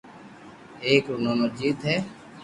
ايڪ رو نوم اجيت ھي